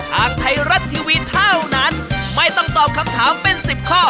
ทางไทยรัฐทีวีเท่านั้นไม่ต้องตอบคำถามเป็น๑๐ข้อ